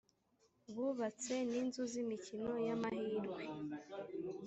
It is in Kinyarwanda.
bubatse n’inzu z’imikino y’amahirwe